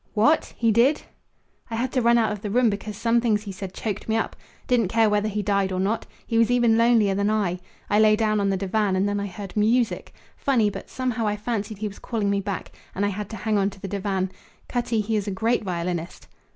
"What? He did?" "I had to run out of the room because some things he said choked me up. Didn't care whether he died or not. He was even lonelier than I. I lay down on the divan, and then I heard music. Funny, but somehow I fancied he was calling me back; and I had to hang on to the divan. Cutty, he is a great violinist."